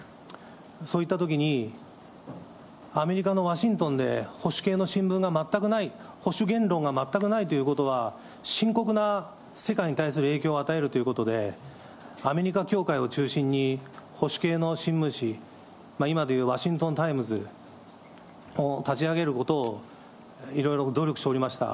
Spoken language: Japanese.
そういったときに、アメリカのワシントンで保守系の新聞が全くない、保守言論が全くないということは、深刻な世界に対する影響を与えるということで、アメリカ教会を中心に、保守系の新聞紙、今でいうワシントンタイムズを立ち上げることを、いろいろ努力しておりました。